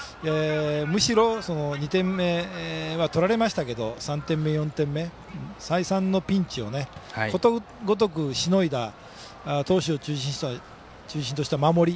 むしろ２点目は取られましたけど３点目、４点目、再三のピンチをことごとくしのいだ投手を中心とした守り。